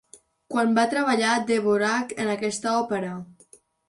Quan va treballar Dvořák en aquesta òpera?